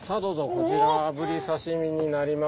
こちらブリ刺身になります。